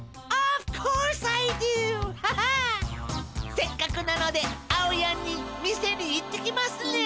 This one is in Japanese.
せっかくなのであおやんに見せにいってきますね。